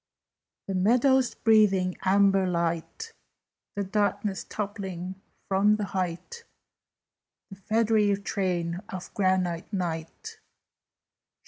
"The meadows breathing amber light, The darkness toppling from the height, The feathery train of granite Night?